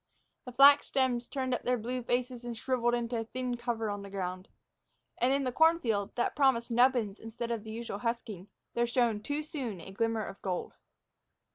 The flax stems turned up their blue faces and shriveled into a thin cover on the sod. And in the corn field, that promised nubbins instead of the usual husking, there shone too soon a glimmer of gold.